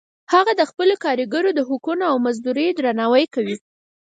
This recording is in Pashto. هغه د خپلو کاریګرو د حقونو او مزدوریو درناوی کوي